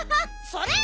それ！